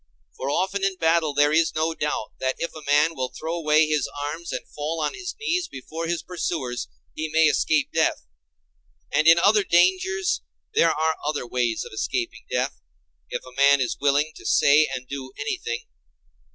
For often in battle there is no doubt that if a man will throw away his arms, and fall on his knees before his pursuers, he may escape death; and in other dangers there are other ways of escaping death, if a man is willing to say and do anything.